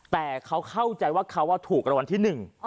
๑๐๐๙๔แต่เขาเข้าใจว่าเขาถูกรัววันที่๑